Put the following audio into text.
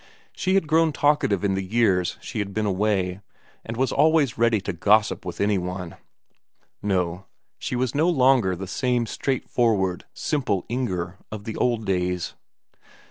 She had grown talkative in the years she had been away, and was always ready to gossip with any one. No, she was no longer the same straightforward, simple Inger of the old days.